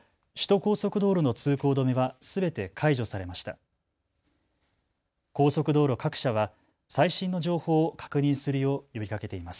高速道路各社は最新の情報を確認するよう呼びかけています。